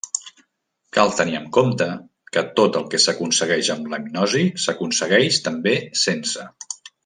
Cal tenir en compte que tot el que s'aconsegueix amb la hipnosi s'aconsegueix també sense.